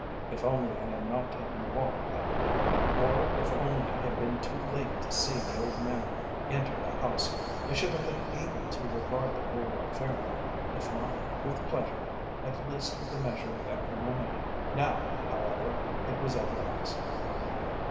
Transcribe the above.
If only I had not taken the walk that night, or if only I had been too late to see the old man enter the house, I should have been able to regard the whole affair, if not with pleasure, at least with a measure of equanimity. Now, however, it was otherwise.